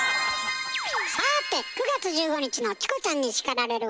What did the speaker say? さて９月１５日の「チコちゃんに叱られる！」